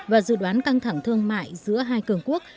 và dự đoán căng thẳng thương mại giữa hai cường quốc